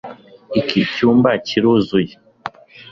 iki cyumba kiruzuye